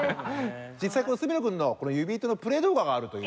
実際この角野君のユビートのプレー動画があるという。